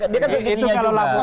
dia kan segitunya juga